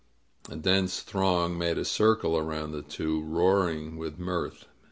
A dense throng made a circle around the two, roaring with mirth.